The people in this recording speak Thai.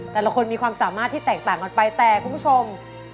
แต่ละคนมีความสามารถที่แตกต่างกันไปแต่คุณผู้ชม